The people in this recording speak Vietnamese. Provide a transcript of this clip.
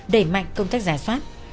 để mạnh công tác rà soát